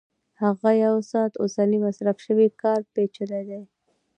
هغه یو ساعت اوسنی مصرف شوی کار پېچلی دی